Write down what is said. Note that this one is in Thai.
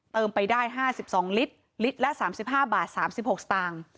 ไปได้๕๒ลิตรลิตรละ๓๕บาท๓๖สตางค์